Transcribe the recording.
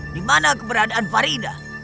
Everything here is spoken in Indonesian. dimana keberadaan farida